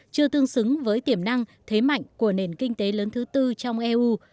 chưa tương xứng với tiềm năng thế mạnh của nền kinh tế lớn thứ